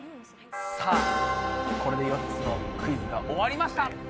さあこれで４つのクイズが終わりました。